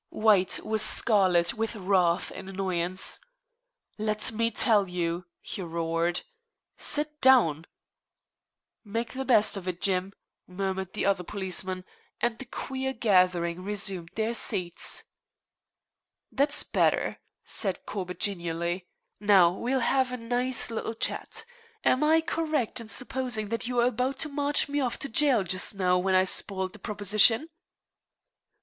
White was scarlet with wrath and annoyance. "Let me tell you " he roared. "Sit down!" "Make the best of it, Jim," murmured the other policeman; and the queer gathering resumed their seats. "That's better," said Corbett genially. "Now, we'll have a nice little chat. Am I correct in supposing that you were about to march me off to jail just now, when I spoilt the proposition?"